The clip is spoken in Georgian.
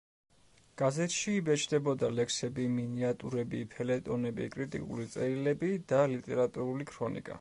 გაზეთში იბეჭდებოდა ლექსები, მინიატურები, ფელეტონები, კრიტიკული წერილები და ლიტერატურული ქრონიკა.